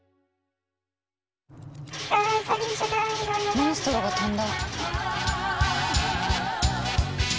モンストロが飛んだ。